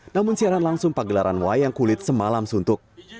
namun siaran langsung pagelaran wayang kulit semalam suntuk